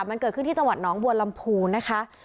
มันเกิดขึ้นที่จังหวัดน้องบัวลำพูนะคะ